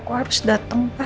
aku harus datang pak